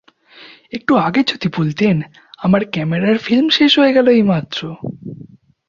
একটু আগে যদি বলতেন! আমার ক্যামেরার ফিল্ম শেষ হয়ে গেল এইমাত্র!